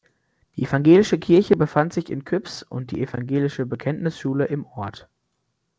Die evangelische Kirche befand sich in Küps und die evangelische Bekenntnisschule im Ort.